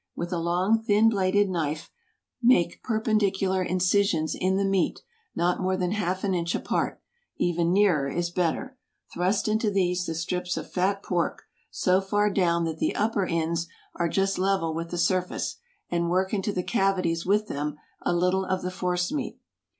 With a long, thin bladed knife, make perpendicular incisions in the meat, not more than half an inch apart, even nearer is better; thrust into these the strips of fat pork, so far down that the upper ends are just level with the surface, and work into the cavities with them a little of the force meat.